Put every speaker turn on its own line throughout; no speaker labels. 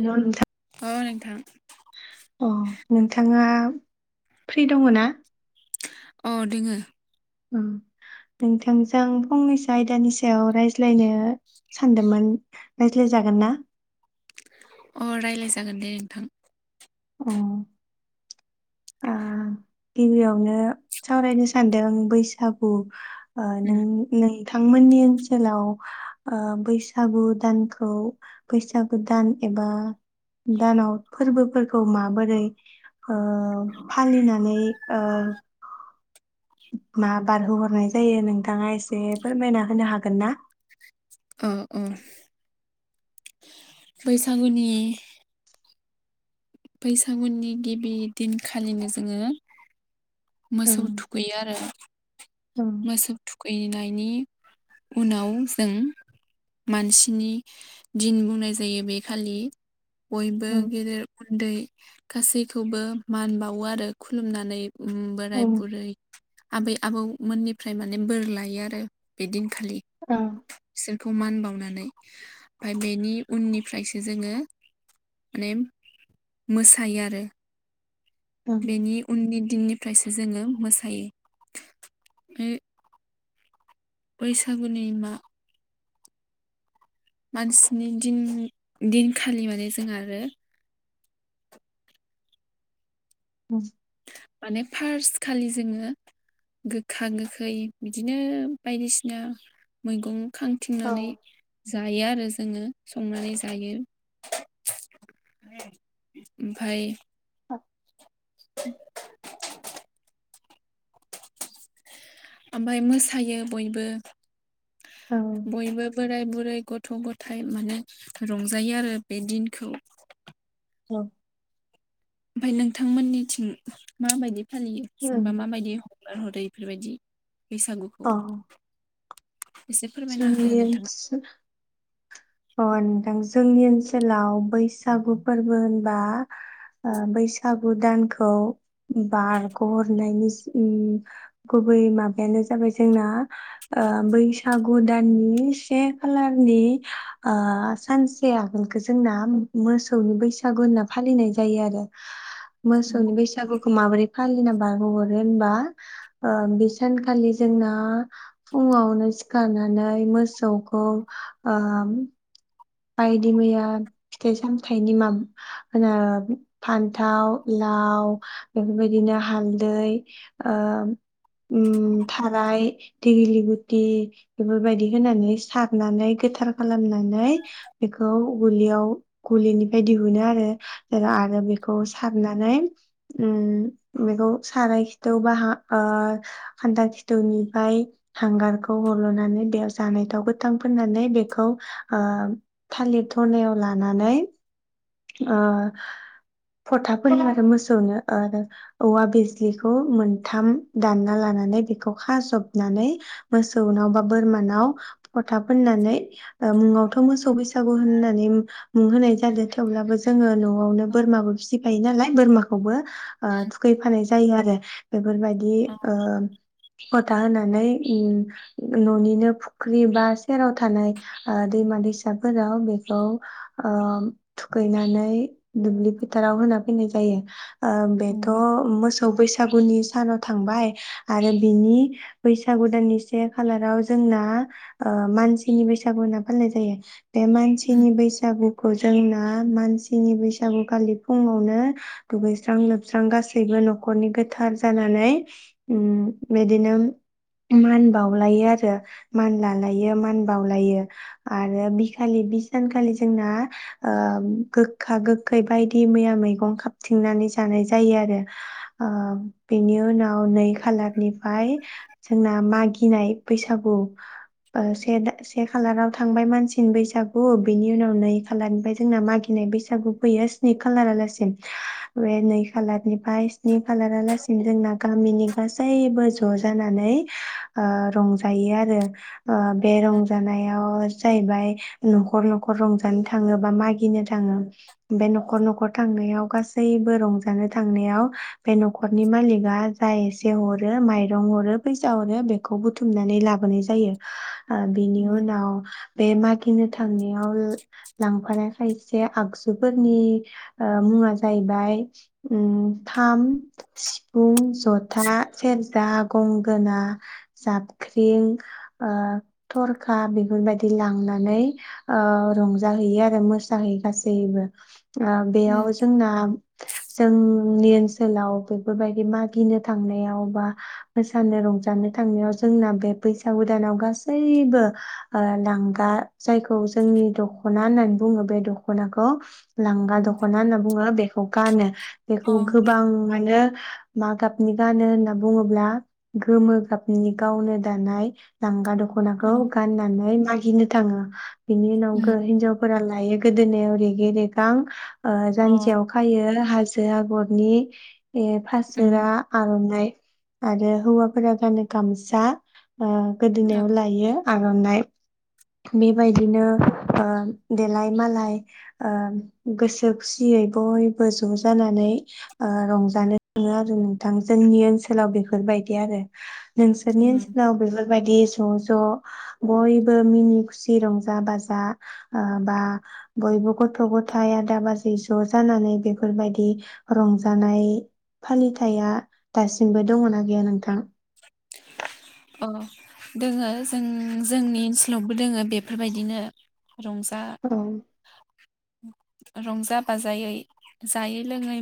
हेल' नोंथां
[inaudible] औ नोंथां
अ नोंथाङा फ्रि दङ ना?
अ दोङो।
औ नोंथांजों फंनैसो आयदानि सायाव रायज्लायनो सानदोंमोन रायज्लाय जागोन ना?
अ रायज्लाय जागोन दे नोंथां।
अ आ गिबियावनो सावरायनो सानदों बैसागु [unintelligible]
उम
नोंथांमोननि ओनसोलाव बैसागु दानखौ बैसागु दान एबा दानाव फोरबोफोरखौ। खौ माबोरै ओ फालिनानै ओ। मा बारहोहरनाय जायो नोंथाङा एसे फोरमायना होनो हागोन ना?
अ अ [inaudible] बैसागुनि। बैसागुनि गिबि दिनखालिनो जोङो। मोसौ
जोंनि
थुखैयो आरो। मोसौ थुखै फैनायनि उनाव जों मानसिनि दिन बुंनाय जायो बे खालि। बयबो
ओनसोल
गेदेर। उन्दै गासैखौबो मान बावो आरो खुलुमनानै। उम बोराय बुरै। आबै आबौ। मोननिफ्राय माने बोर लायो आरो बेदिनखालि।
औ।
बिसोरखौ मान बावनानै ओमफ्राय बेनि उननिफ्रायसो जोङो माने मोसायो आरो। बेनि
नोंथां
उननि दिननि। ओमफ्रायसो जोङो मोसायो। बे। बैसागुनि मा। मानसिनि दिन दिनखालि माने जोंहा आरो।
[unintelligible]
माने फार्स्ट खालि जोङो गोखा गोखै बिदिनो बायदिसिना मैगं। खांथिंनानै जायो आरो। जोङो संनानै जायो [inaudible] ओमफाय।
[unintelligible] [inaudible]
ओमफ्राय मोसायो बयबो। बयबो बोराय बुरै गथ' गथ' गथाइ माने रंजायो आरो बे दिनखौ।
औ
ओमफ्राय नोंथांमोनिथिं माबायदि फालियो जिनबा माबायदि हगार हरो फोरबायदि बैसागुखौ एसे फोरमायना हो नोंथाङा
जोंनिथिं अ नोंथां जोंनि ओनसोलाव बैसागु फोरबो होनबा ओ बैसागु दानखौ बारग'हरनायनि ओम गुबै माबायानो जाबाय जोंना ओ बैसागु दाननि से खालारनि ओ सानसे आगोलखौ जोंना मोसौनि बैसागु होनना फालिनाय जायो आरो। मोसौनि बैसागु खौ माबोरै फालिना बारग' हरो होनबा ओ बे सानखालि जोंना फुङावनो सिखारनानै मोसौखौ ओम बायदि मैया फिथाइ सामथाइनि मा होनो फान्थाव, लाव बेफोरबायदिनो हालदै ओ ओम थाराय दिगिलि गुथि बेफोरबायदि होनानै सारनानै गोथार खालामनानै बेखौ गलियाव गुलिनिफ्राय दिहुनोआरो जेराव आरो बेखौ सारनानै उम बेखौ साराय खिथौ बा ओ खान्था खिथौनिफ्राय हांगारखौ हरल'नानै बेयाव जानायथाव गोथां फोननानै बेखौ ओ थालिर थनायाव लानानै ओ फथा फोनो आरो मोसौनो आरो औवा बिजलिखौ मोनथाम दानना लानानै बेखौ खाजबनानै मोसौनाव बा बोरमानाव फथा फोननानै मुङावथ' मोसौ बैसागु होननानै मुं होनाय जादों थेवब्लाबो जोङो न'आवनो बोरमाबो फिसिफायो नालाय बोरमाखौबो ओ थुखैफानाय जायो आरो। [inaudible] बेफोरबायदि
अ
ओ फथा होनानै ओम न'निनो फुख्रि बा सेराव थानाय ओ दैमा दैसाफोराव बेखौ ओ थुखैनानै दुब्लि फोथाराव होना फैनाय जायो। ओ बेथ'
उम
मोसौ बैस सागुनि साना थांबाय आरो बिनि बैसागु दाननि से खालाराव जोंना ओ मानसिनि बैसागु होनना फालिनाय जायो। बे
उम
मानसिनि बैसागु खौ जोंनो आ मानसिनि बैसागुखालि फुङावनो दुगैस्रां लोबस्रां गासैबो न'खरनि गोथार जानानै बिदिनो मान बावलायो आरो मान लालायो मान बावलायो आरो बिखालि बि सानखालि जोंना ओ गोखा गोखै बायदि मैया मैगं खाबथिंनानै जानाय जायो आरो ओ बेनि उनाव नै खालारनिफ्राय जोंना मागिनाय बैसागु ओ से दा से खालाराव थांबाय मानसिनि बैसागु ओ बेनि उनाव नै खालारनिफ्राय जोंना मागिनाय बैसागु फैयो स्नि खालार आलासिम बे नै खालारनि फ्राय स्नि खालारालासिम जोंना गामिनि गासैबो ज' जानानै ओ रंजायो आरो ओ बे रंजानायाव जाहैबाय न'खर न'खर रंजानो थाङोबा मा गिनो थाङो बे न'खर न'खर थांनायाव गासैबो रंजानो थांनायाव बे न'खरनि मालिकआ जा एसे हरो माइरं हरो फैसा हरो बेखौ बुथुमनानै ला बोनाय जायो ओ बिनि
उम
उनाव बे मागिनो थांनायाव लांफानाय खायसे आगजुफोरनि ओ मुङा जाहैबाय ओम खाम, सिफुं, जथा, सेरजा, गंगोना, जाबख्रिं ओ थरखा बेफोरबायदि लांनानै ओ रंजाहैयो आरो मो साहैयै गासैबो। ओ बेयाव
उम
जोंना जोंनि ओनसोलाव बेफोरबायदि मागिनो थांनायाव बा मोसानो रंजानो थांनायाव जोंना बे बैसागु दानाव गासैबो ओ लांगा जायखौ जोंनि दख'ना होननानै बुङो। बे दख'नाखौ लांगा
उम
दख'ना होनना बुंङो बेखौ। गानो।
अ
बेखौ गोबां माने। मा गाबनि गानो होनना बुङोब्ला गोमो गाबनि गावनो दानाय लांगा दख।
अ
खनाखौ गान्नानै। मागिनो थाङो। बिनि उनाव
उम
हिनजावफोरालाय। [inaudible] गोदोनायाव रेगे रेगां। ओ
अ
जानजियाव खायो हा। से आगरनि। ए फासोरा
उम
आर'नाइ। आरो हौवाफोरा गानो गामसा। ओ
ओ
गोदोनायाव लायो। आर'नाइ बेबायदिनो देलाय। मालाय ओ गोसो खुसियै बयबो ज' जानानै ओ रंजानो थाङो आरो नोंथां जोंनि ओनसोलाव बेफोरबायदि आरो। नोंसोरनि
उम
ओनसोलाव बेफो। बायदि ज' ज' बयबो मिनि- खुसि रंजा -बाजा आ बा। बयबो गथ'- गथाय आदा - बाजै ज' जानानै बेफोरबायदि रंजानाय फालिथाया दासिमबो दङना गैया नोंथां?
अ दोङो जों जोंनि ओनसोलावबो दोङो बेफोरबायदिनो। रंजा।
औ
रंजा -बाजायै जायै -लोङै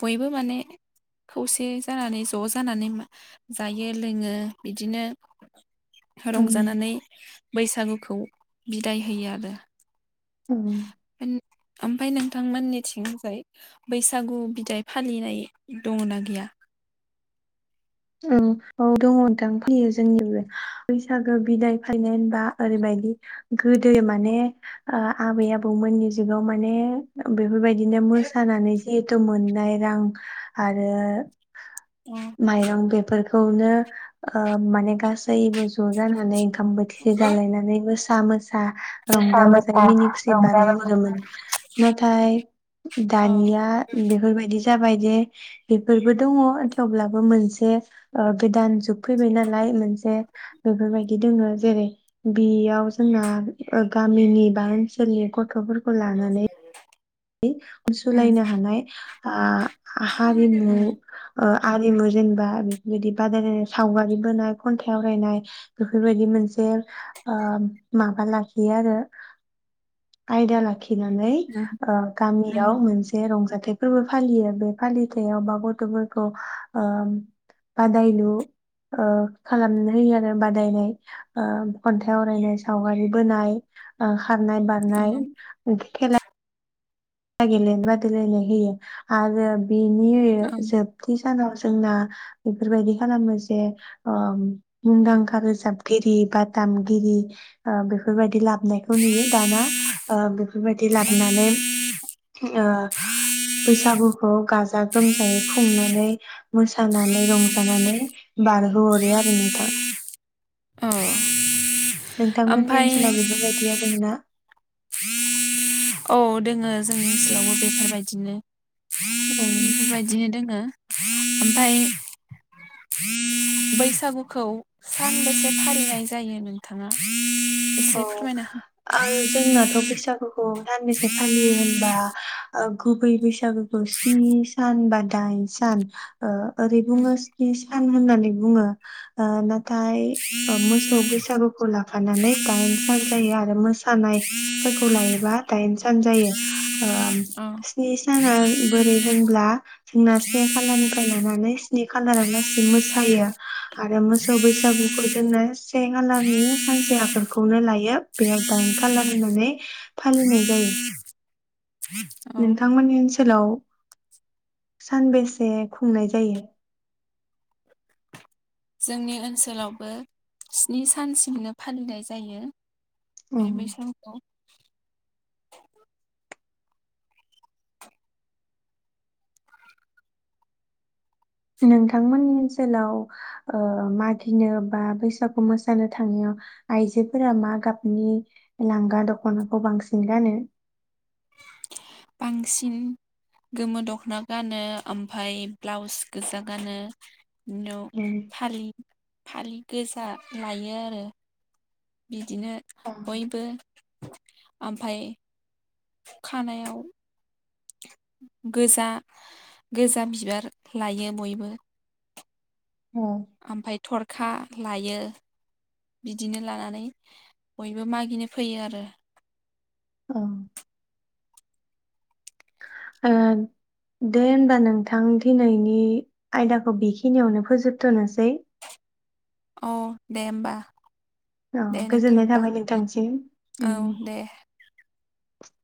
बयबो माने खौसे जानानै ज' जानानै। जायो लोङो बिदिनो।
ओं
रंजानानै बैसागु। खौ बिदाय होयो आरो।
ओं
[inaudible] फाय नोंथांमोननि थिंजाय बैसागु बिदाय फालिनाय दङना गैया।
औ दङ नोंथां फैयो जोंनिबो बैसागो बिदाय फायनाय। आ आरो बायदि। गोदो माने आबै -आबौमोननि जुगाव माने बेफोरबाय। दिनो मोसानानै। जिहेथु मोननाय रां आरो।
उम
माइरं। बेफोरनो ओ माने गासैबो ज'जानानै। ओाम बोथिसे जालायनानै मोसा। [inaudible] ओ रंजा बाजाय मिनि खुसि बारहोहरोमोन नाथाय
उम
दानिया बेफोरबायदि जाबाय बे-बेफोरबो दङ थेवब्लाबो मोनसे ओ गोदान जोबफैबाय नालाय मोनसे बेफोरबायदि दङो जेरै बेयाव जोंना गामिनि बा ओनसोलनि गथफोर
[unintelligible] उम
सोलायनो हानाय ओ हारिमु ओ आरिमु जेनेबा बेफोरबायदि बादायलायनाय सावगारि बोनाय खन्थाइ आवरायनाय बेफोरबायदि मोनसे ओ माबा लाखियो आरो आयदा लाखि
उम
[unintelligible] ओ
उम
गामियाव मोनसे रंजा फोरबो फालियो बे फालिथायावबा गथ फोरखौ ओ बादायलु ओ खालामनो होयो आरो बादायनाय ओ खन्थाइ आवरायनाय सावगारि बोनाय ओ खनाय बारनाय [unintelligible] होयो आरो बेनि
उम
जोबथि नाव जोंना बेफोरबायदि खालामो जे ओ
उम
मुंदांखा रोजाब रि बादामगिरि ओ बेफोरबायदि लाबनायखौ नुयो दाना ओ बेफोरबायदि लाबोनानै ओ बैसागुखौ गाजा गोमजायै खुंनानै मोसानानै रंजानानै बारहो हरो आरो नोंथां
अ
नोंथांमोननि ओनसोलाव बेफोरबायदिया दं ना
औ दोङो जोंनि ओनसोलावबो बेफोरबायदिनो बेफोरबायदिनो दोङो ओमफ्राय बैसागुखौ सानबेसे फालिनाय जायो नोंथाङा एसे
ओव
फोरमायना हो
ओ जोंनाथ बैसागुखौ सानबेसे फालियो होनबा खुबै बेैसागो द सनि सान बाद दाइन सान ओ
उम
[unintelligible] आं होननानै बुङो ओ ओ मोसौ बै [unintelligible] खौ लाफानानै सान जायो आरो मोसानायफोरखौ लायोबा दाइन सान जायो। ओम
औ
स्नि - साना बोरै होनब्ला जोंना से खालारनिफ्राय लानानै स्नि खालारा लासै मोसायो आरो मोसौ बैसागुखौ जोङो से खालारनि सानसे आ बेफोरखौनो लायो बेयाव दाइन कालार होननानै फालिनाय जायो।
औ
नोंथांमोननि ओनसोलाव सानबेसे खुंनाय जायो?
जोंनि ओनसोलावबो स्नि सानसिमनो फालिनाय जायो। बे
उम
बैसागुखौ। [inaudible]
नोंथांमोननि ओनसोलाव ओ मागिनो बा बैसागु मोसानो थांनायाव आइजोफोरा मा गाबनि लांगा दख'नाखौ बांसिन गानो?
बांसिन गोमो दख'ना गानो ओमफाय ब्लाउस गोजा गानो उनाव फालि फालि गोजा लायो आरो। बे बिदिनो बयबो ओमफाय खानायाव गोजा गोजा बिबार लायो बयबो।
औ।
ओमफाय थरखा लायो बिदिनो लानानै बयबो मागिनो फैयो आरो।
औ। ओं दे होमबा नोंथां दिनैनि आयदाखौ बेखिनियावनो फोजोबथ'नोसै।
औ दे होमबा।
औ
दे नोंथां
गोजोननाय
होमबा
थाबाय
उम,
नोंथांनिसिम।
औ दे
[inaudible]